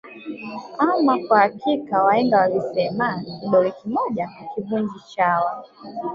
Ama kwa hakika wahenga walisema kidole kimoja akivunji chawa